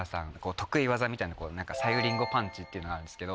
得意技みたいなの「さゆりんごパンチ」っていうのがあるんですけど